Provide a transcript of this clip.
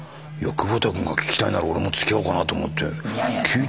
窪田君が聴きたいなら俺も付き合おうかなと思って